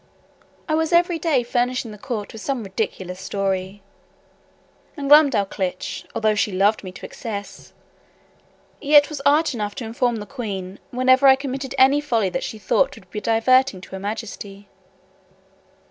I was every day furnishing the court with some ridiculous story: and Glumdalclitch, although she loved me to excess, yet was arch enough to inform the queen, whenever I committed any folly that she thought would be diverting to her majesty.